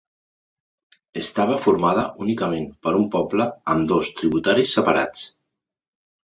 Estava forma únicament per un poble amb dos tributaris separats.